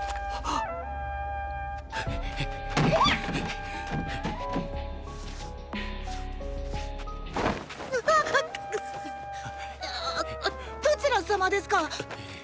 ⁉あっ⁉どちら様ですか